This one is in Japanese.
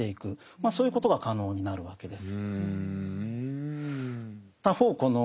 そういうことが可能になるわけです。